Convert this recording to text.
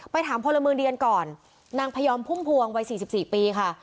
ไปถามพลเมืองเดียนก่อนนางพยอมพุ่มพวงวัยสี่สิบสี่ปีค่ะ